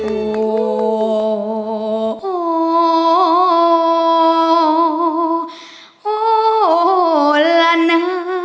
โอ้โอ้โอ้โอ้โลนา